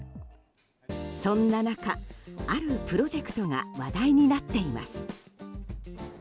そんな中、あるプロジェクトが話題になっています。